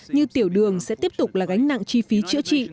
như tiểu đường sẽ tiếp tục là gánh nặng chi phí chữa trị